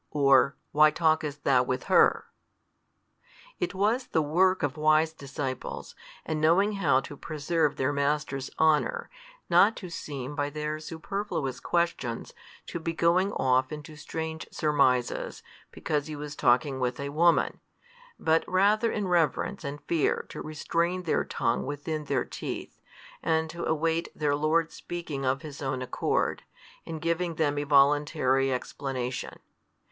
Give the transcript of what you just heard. or, Why talkest Thou with her? It was the work of wise disciples, and knowing how to preserve their Master's honour, not to seem by their superfluous questions to be going off into strange surmises, because He was talking with a woman, but rather in reverence and fear to restrain their tongue within their teeth, and to await their Lord speaking of His own accord, and giving them a voluntary explanation.